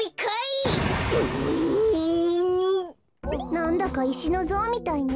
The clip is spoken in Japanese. なんだかいしのぞうみたいね。